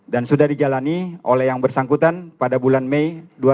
dan sudah dijalani oleh yang bersangkutan pada bulan mei dua ribu delapan belas